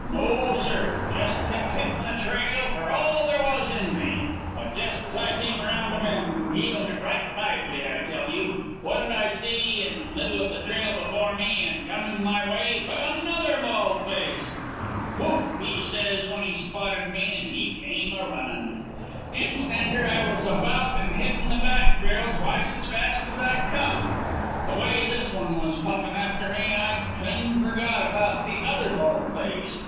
No, sir! Jest kept hittin' the trail for all there was in me. But jest as I came around a bend, heelin' it right lively I tell you, what'd I see in middle of the trail before me, and comin' my way, but another bald face! "'Whoof!' he says when he spotted me, and he came a runnin.' "Instanter I was about and hittin' the back trail twice as fast as I'd come. The way this one was puffin' after me, I'd clean forgot all about the other bald face.